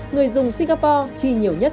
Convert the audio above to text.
người dùng singapore chi nhiều nhất